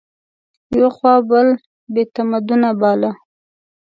یوه خوا بل بې تمدنه باله